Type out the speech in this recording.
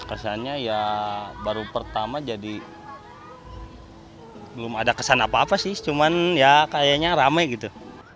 kesannya ya baru pertama jadi belum ada kesan apa apa sih cuman ya kayaknya rame gitu